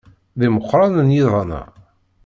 D imeqranen yiḍan-a.